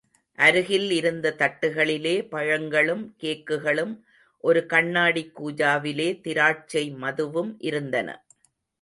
அருகில் இருந்த தட்டுகளிலே, பழங்களும், கேக்குகளும், ஒரு கண்ணாடிக் கூஜாவிலே திராட்சை மதுவும் இருந்தன.